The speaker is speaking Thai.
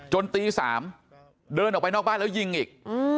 ตี๓เดินออกไปนอกบ้านแล้วยิงอีก